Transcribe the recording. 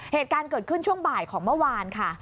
เหตุการณ์เกิดขึ้นช่วงบ่ายของเมื่อวานค่ะ